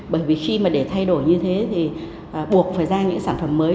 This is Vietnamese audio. bởi vì khi mà để thay đổi như thế thì buộc phải ra những sản phẩm mới